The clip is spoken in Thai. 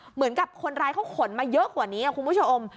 เหมือนกับคนร้ายเขาขนมาเยอะกว่านี้คุณผู้ชม